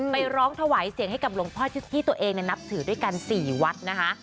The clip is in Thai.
ไปร้องถวายเสียงให้กับหลวงพ่อที่ตัวเองนับถือด้วยกัน๔วัดนะคะ